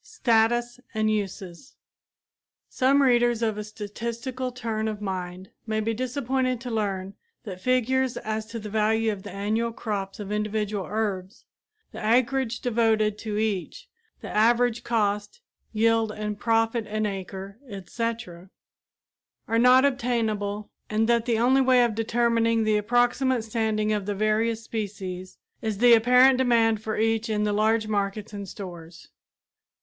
STATUS AND USES Some readers of a statistical turn of mind may be disappointed to learn that figures as to the value of the annual crops of individual herbs, the acreage devoted to each, the average cost, yield and profit an acre, etc., are not obtainable and that the only way of determining the approximate standing of the various species is the apparent demand for each in the large markets and stores.